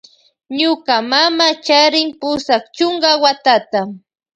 Ñuka mama charin pusak chuka watata.